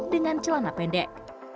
dengan celana pendek